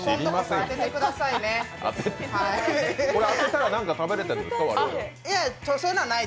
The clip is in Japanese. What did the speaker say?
これ当てたら何か食べれたの？